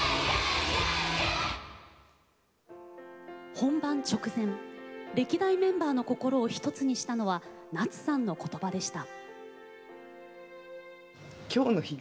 本番直前歴代メンバーの心を一つにしたのは夏さんの言葉でした。